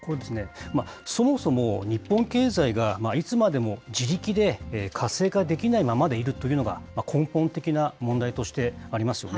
そもそも日本経済がいつまでも自力で活性化できないままでいるというのが、根本的な問題としてありますよね。